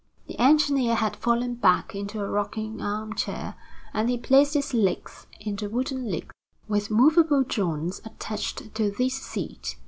The engineer had fallen back into a rocking armchair, and he placed his legs in the wooden legs with movable joints attached to this seat.